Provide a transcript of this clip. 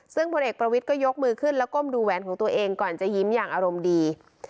ซึ่งพลเอกประวิทย์ก็ยกมือขึ้นแล้วก้มดูแหวนของตัวเองก่อนจะยิ้มอย่างอารมณ์ดี